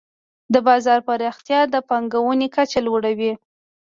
د بازار پراختیا د پانګونې کچه لوړوي.